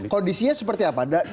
kondisinya seperti apa